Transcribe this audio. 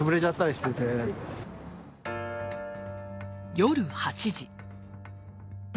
夜８時。